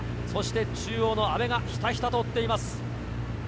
中央の阿部がひたひたと追っています。